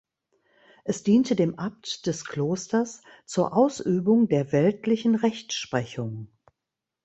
Es diente dem Abt des Klosters zur Ausübung der weltlichen Rechtsprechung.